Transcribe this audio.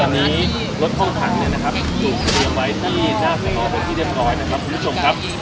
ตอนนี้รถห้องถังเนี่ยนะครับอยู่เตรียมไว้ที่หน้าสนบริเวณที่เดียวหน่อยนะครับคุณผู้ชมครับ